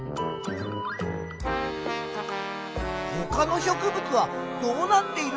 ほかの植物はどうなっているのかな？